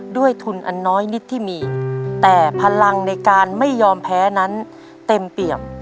ด้วยทุนอันน้อยนิดที่มีแต่พลังในการไม่ยอมแพ้นั้นเต็มเปี่ยม